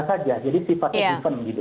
sedikit sorot pember untung dubbed